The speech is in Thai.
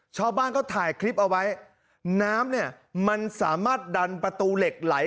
ชาวบ้านก็ถ่ายคลิปเอาไว้น้ำเนี่ยมันสามารถดันประตูเหล็กไหล